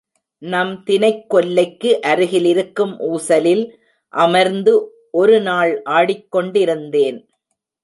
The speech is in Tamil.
நம் தினைக்கொல்லைக்கு அருகிலிருக்கும் ஊசலில் அமர்ந்து ஒருநாள் ஆடிக்கொண்டிருந்தேன்.